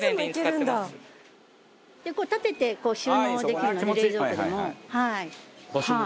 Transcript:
これ立てて収納できるので冷蔵庫でも。